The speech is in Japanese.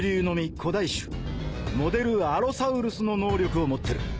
古代種モデルアロサウルスの能力を持ってる］